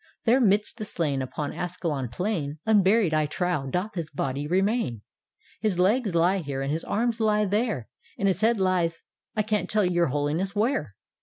There midst the slain Upon Ascalon plain, Unburied, I trow, doth his body remain His legs lie here and his arms lie there, And his head lies — I can't tell your Holiness where